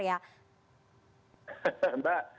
pak ganjar ya